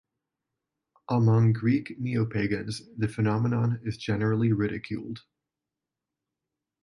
Among Greek neopagans the phenomenon is generally ridiculed.